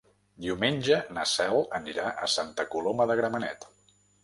Diumenge na Cel anirà a Santa Coloma de Gramenet.